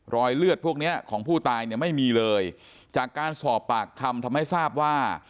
รอยเลือดพวกเนี้ยของผู้ตายเนี่ยไม่มีเลยจากการสอบปากคำทำให้ทราบว่า